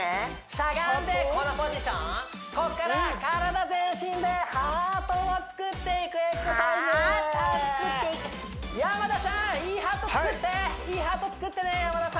しゃがんでこのポジションこっから体全身でハートを作っていくエクササイズハートを作っていく山田さんいいハート作っていいハート作ってね山田さん